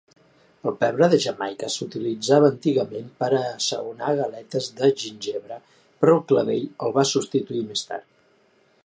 El pebre de Jamaica s'utilitzava antigament per a assaonar galetes de gingebre, però el clavell el va substituir més tard.